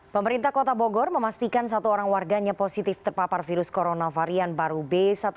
pemerintah kota bogor memastikan satu orang warganya positif terpapar virus corona varian baru b satu satu